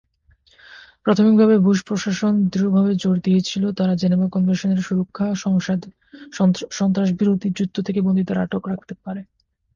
প্রাথমিকভাবে বুশ প্রশাসন দৃঢ়ভাবে জোর দিয়েছিল, তারা জেনেভা কনভেনশনের সুরক্ষা সন্ত্রাসবিরোধী যুদ্ধ থেকে বন্দীদের আটক রাখতে পারে।